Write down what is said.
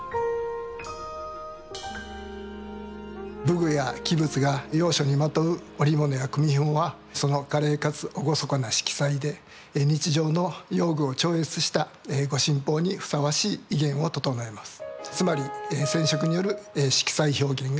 武具や器物が要所にまとう織物や組みひもはその華麗かつ厳かな色彩で日常の用具を超越した御神宝にふさわしい威厳をととのえます。